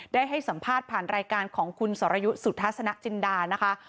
ได้ให้สัมภาษณ์ผ่านรายการของคุณส่วนสอรยุสุธาษณกิณดานะคะ